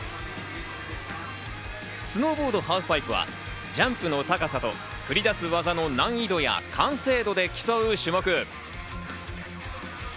スノーボードハーフパイプはジャンプの高さとくり出す技の難易度や完成度で競う種目。